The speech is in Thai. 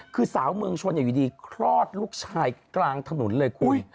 คือสาวเมืองชนอยู่ดีคลอดลูกชายกลางถนนเลยคุณ